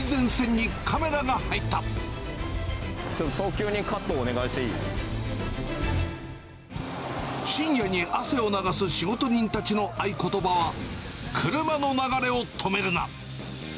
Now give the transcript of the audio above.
ちょっと早急にカットをお願深夜に汗を流す仕事人たちの合言葉は、車の流れを止めるな！